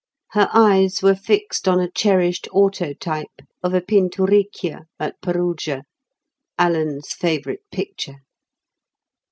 Her eyes were fixed on a cherished autotype of a Pinturicchio at Perugia—Alan's favourite picture.